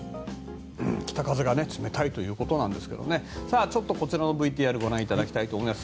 北風が冷たいということですがこちらのＶＴＲをご覧いただきたいと思います。